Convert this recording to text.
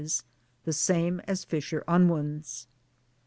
the same as Fisher Unwin's.